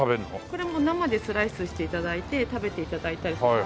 これもう生でスライスして頂いて食べて頂いたりとか。